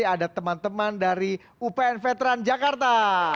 jadi ada teman teman dari upn veteran jakarta